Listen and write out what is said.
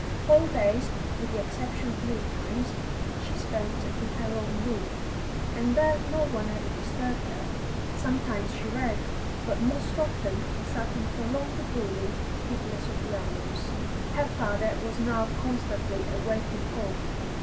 Whole days, with the exception of meal times, she spent in her own room, and there no one ever disturbed her. Sometimes she read, but most often sat in prolonged brooding, heedless of the hours. Her father was now constantly away from home.